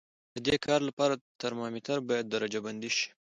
د دې کار لپاره ترمامتر باید درجه بندي شي.